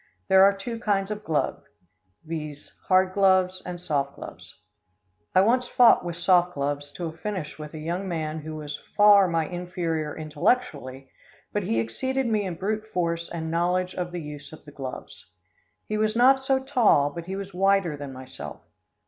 There are two kinds of gloves, viz., hard gloves and soft gloves. I once fought with soft gloves to a finish with a young man who was far my inferior intellectually, but he exceeded me in brute force and knowledge of the use of the gloves. He was not so tall, but he was wider than myself.